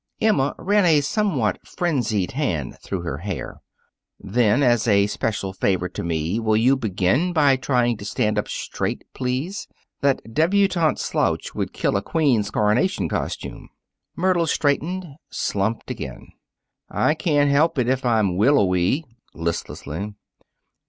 Emma ran a somewhat frenzied hand through her hair. "Then, as a special favor to me, will you begin by trying to stand up straight, please? That debutante slouch would kill a queen's coronation costume." Myrtle straightened, slumped again. "I can't help it if I am willowy" listlessly.